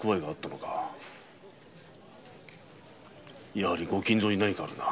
やはり御金蔵に何かがあるな。